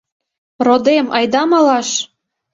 — Родем, айда малаш.